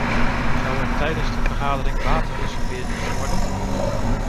Zou er tijdens de vergaderingen water geserveerd kunnen worden?